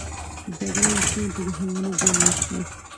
جګړه انسان ته د حیواني ژوند ورښيي